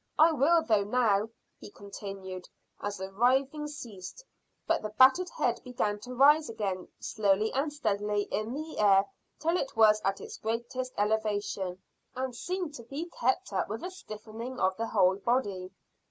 I will, though, now," he continued, as the writhing ceased; but the battered head began to rise again slowly and steadily in the air till it was at its greatest elevation, and seemed to be kept up by a stiffening of the whole body.